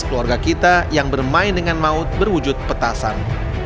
keluarga kita yang bermain dengan maut berwujud petasan